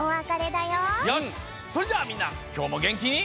よしそれじゃあみんなきょうもげんきに。